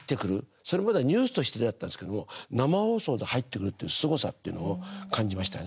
それまではニュースとして出会ったんですけれども生放送で入ってくるっていうすごさっていうのを感じましたね。